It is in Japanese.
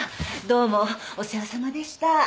どうもお世話さまでした。